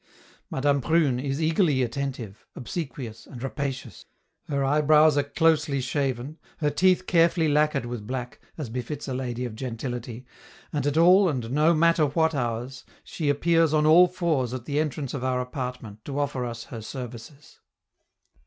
Madame Prune is eagerly attentive, obsequious, and rapacious; her eyebrows are closely shaven, her teeth carefully lacquered with black, as befits a lady of gentility, and at all and no matter what hours, she appears on all fours at the entrance of our apartment, to offer us her services.